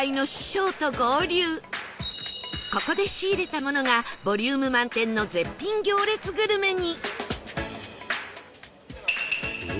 ここで仕入れたものがボリューム満点の絶品行列グルメに